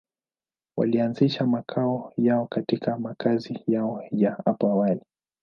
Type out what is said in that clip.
Walianzisha makao yao katika makazi yao ya hapo awali.